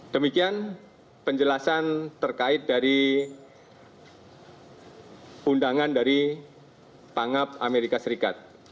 demikian penjelasan terkait dari undangan dari pangap amerika serikat